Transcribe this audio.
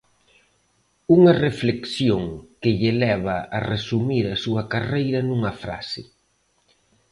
Unha reflexión que lle leva a resumir a súa carreira nunha frase.